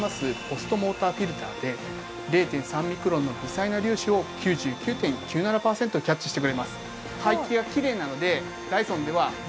ポストモーターフィルターで０．３ミクロンの微細な粒子を９９．９７パーセントキャッチしてくれます。